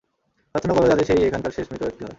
প্রার্থনা করো যাতে সে-ই এখানকার শেষ মৃতব্যক্তি হয়।